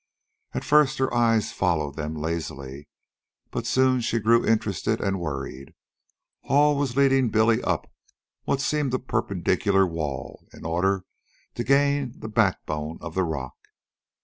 At first her eyes followed them lazily, but soon she grew interested and worried. Hall was leading Billy up what seemed a perpendicular wall in order to gain the backbone of the rock.